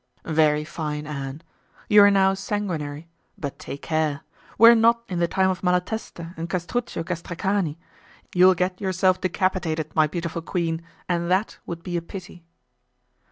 "Very fine, Anne. You are now sanguinary; but take care. We are not in the time of Malatesta and Castruccio Castracani. You will get yourself decapitated, my beautiful queen, and that would be a pity."